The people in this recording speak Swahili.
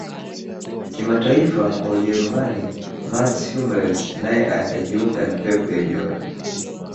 kimataifa wa ujerumani mats hummels naye akajiunga na pep guardiola